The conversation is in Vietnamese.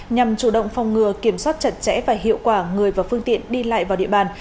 nhằm chủ động phòng ngừa kiểm soát chặt chẽ và hiệu quả người và phương tiện đi lại vào địa bàn